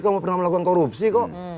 kamu pernah melakukan korupsi kok